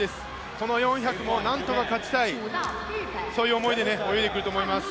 この４００も何とか勝ちたい、そういう思いで泳いでくると思います。